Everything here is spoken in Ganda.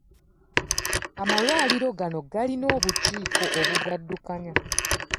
Amalwaliro nago galina obukiiko obugaddukanya.